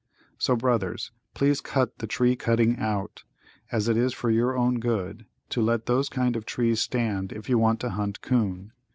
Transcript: So, brothers, please cut the tree cutting out, as it is for your own good to let those kind of trees stand if you want to hunt 'coon.